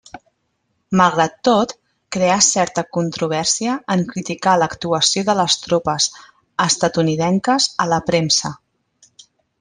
Malgrat tot, creà certa controvèrsia en criticar l'actuació de les tropes estatunidenques a la premsa.